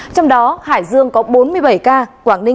trong đó hải dương có bốn mươi bảy ca